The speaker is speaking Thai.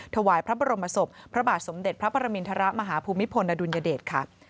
ถวายพระบรมศพพระบาทสมเด็จพระปรมินทรมาฮภูมิพลอดุลยเดชค่ะ